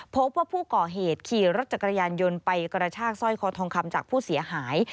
พบว่าผู้ก่อเหตุขี่รถจักรยานยนต์ไปกระชากสร้อยคอทองคำจากผู้เสียหาย